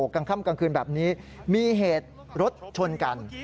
กลางค่ำกลางคืนแบบนี้มีเหตุรถชนกัน